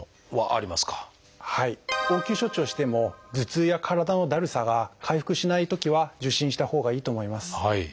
応急処置をしても頭痛や体のだるさが回復しないときは受診したほうがいいと思います。